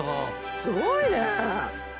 すごいね！